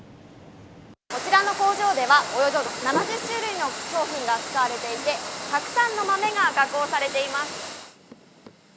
こちらの工場では、およそ７０種類の商品が扱われていて、たくさんの豆が加工されています。